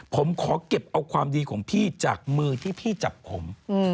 ผมขอเก็บเอาความดีของพี่จากมือที่พี่จับผม